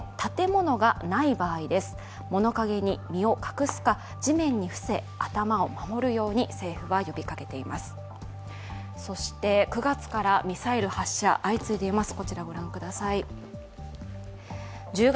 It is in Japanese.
物陰に身を隠すか地面に伏せ頭を守るように政府は呼びかけています。